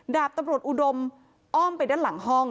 ดาบตำรวจอุดมอ้อมไปด้านหลังห้อง